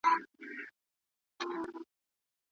ادرار باید روڼ وي.